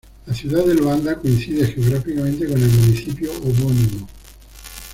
La ciudad de Luanda coincide geográficamente con el municipio homónimo.